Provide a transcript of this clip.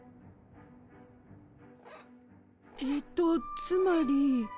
えとつまり。